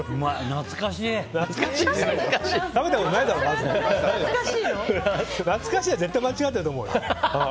懐かしいは絶対間違ってると思うよ。